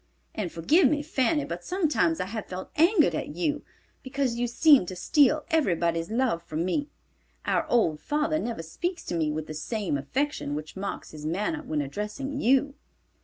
And forgive me, Fanny, but sometimes I have felt angered at you, because you seemed to steal everybody's love from me. Our old father never speaks to me with the same affection which marks his manner when addressing you."